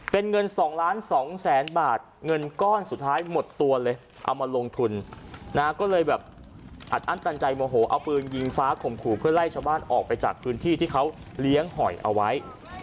เป็นเงิน๒ล้านสองแสนบาทเงินก้อนสุดท้ายหมดตัวเลยเอามาลงทุนนะก็เลยแบบอัดอั้นตันใจโมโหเอาปืนยิงฟ้าข่มขู่เพื่อไล่ชาวบ้านออกไปจากพื้นที่ที่เขาเลี้ยงหอยเอาไว้